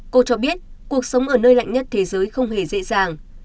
cô cho biết cuộc sống ở nơi lạnh nhất thế giới không hề dễ dàng